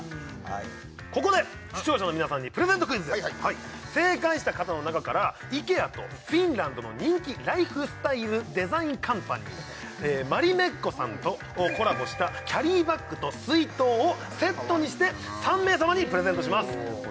ここで視聴者の皆さんにプレゼントクイズです正解した方の中からイケアとフィンランドの人気ライフスタイルデザインカンパニーマリメッコさんとコラボしたキャリーバッグと水筒をセットにして３名様にプレゼントします